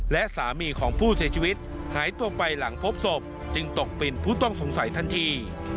และสามีของผู้เสียชีวิตหายตัวไปหลังพบศพจึงตกเป็นผู้ต้องสงสัยทันที